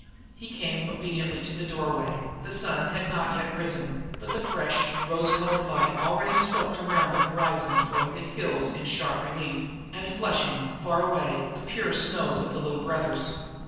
He came obediently to the doorway. The sun had not yet risen, but the fresh, rose coloured light already swept around the horizon throwing the hills in sharp relief and flushing, faraway, the pure snows of the Little Brothers.